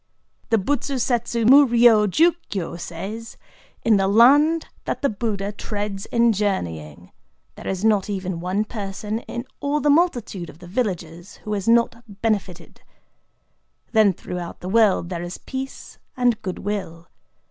The BUTSU SETSU MU RYO JU KYO says:—"In the land that the Buddha treads in journeying, there is not even one person in all the multitude of the villages who is not benefited. Then throughout the world there is peace and good will.